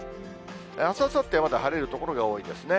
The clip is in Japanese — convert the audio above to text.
あす、あさっては、まだ晴れる所が多いですね。